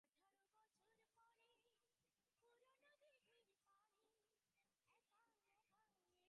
গণনা দ্বারা দৃষ্ট হইতেছে তাহার সহিত আপনকার পরিণয় হইবেক।